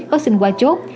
có xin qua chốt